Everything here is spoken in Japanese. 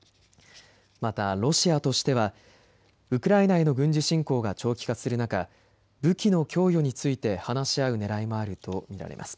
またロシアとしてはウクライナへの軍事侵攻が長期化する中、武器の供与について話し合うねらいもあると見られます。